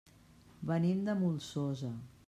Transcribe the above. Venim de la Molsosa.